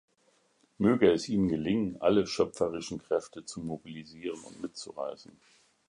Möge es Ihnen gelingen, alle schöpferischen Kräfte zu mobilisieren und mitzureißen’.